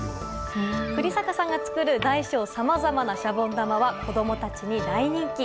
栗坂さんが作る大小さまざまなシャボン玉は子供たちに大人気。